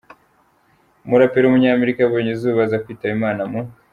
umuraperi w’umunyamerika yabonye izuba, aza kwitaba Imana mu .